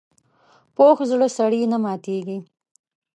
پوخ زړه سړي نه ماتېږي